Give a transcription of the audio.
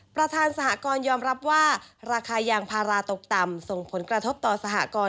ประธานสหกรยอมรับว่าราคายางพาราตกต่ำส่งผลกระทบต่อสหกร